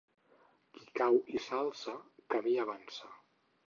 Qui cau i s'alça, camí avança.